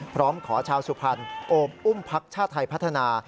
พร้อมขอชาวสุพรรณโอมอุ้มพักชาติไทยพัฒนา